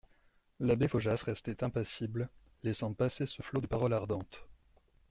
L'abbé Faujas restait impassible, laissant passer ce flot de paroles ardentes.